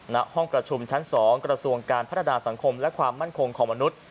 ณห้องประชุมชั้น๒กระทรวงการพัฒนาสังคมและความมั่นคงของมนุษย์